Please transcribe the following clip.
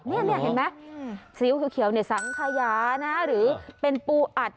นี่เห็นไหมสีเขียวเนี่ยสังขยานะหรือเป็นปูอัด